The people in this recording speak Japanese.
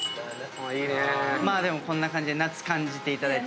こんな感じで夏感じていただいて。